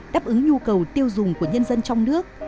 đáp ứng nhu cầu tiêu dùng của nhân dân trong nước